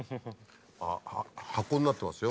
あっ箱になってますよ